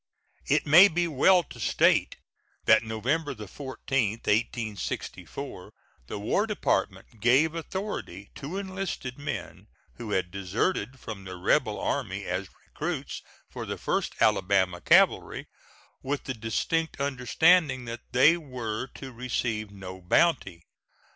It may be well to state that November 14, 1864, the War Department gave authority to enlist men who had deserted from the rebel army as recruits for the First Alabama Cavalry, with the distinct understanding that they were to receive no bounty.